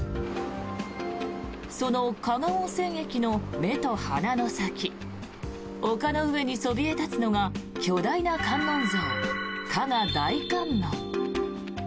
その加賀温泉駅の目と鼻の先丘の上にそびえ立つのが巨大な観音像、加賀大観音。